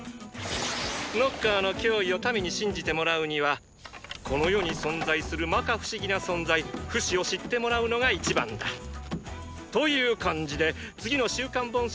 ノッカーの脅威を民に信じてもらうにはこの世に存在する摩訶不思議な存在フシを知ってもらうのが一番だ！という感じで次の「週刊ボンシェン」には書いといてくれ！